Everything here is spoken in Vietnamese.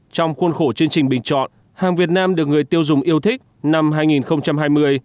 trong khuôn khổ chương trình bình chọn hàng việt nam được người tiêu dùng yêu thích năm hai nghìn hai mươi